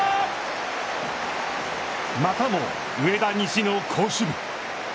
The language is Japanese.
またも上田西の好守備。